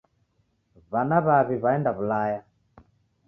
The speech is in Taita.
W'ana w'aw'i w'aenda w'ulaya.